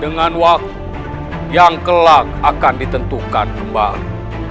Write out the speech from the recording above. dengan waktu yang kelak akan ditentukan kembali